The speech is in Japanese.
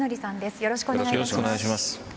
よろしくお願いします。